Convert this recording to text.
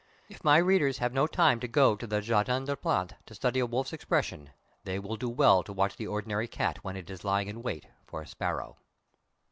If my readers have no time to go to the "Jardin des Plantes" to study the wolf's expression, they will do well to watch the ordinary cat when it is lying in wait for a sparrow.